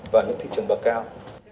vào những thị trường bậc cao